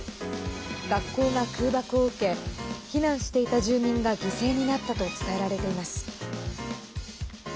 学校が空爆を受け避難していた住民が犠牲になったと伝えられています。